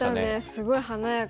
すごい華やかで。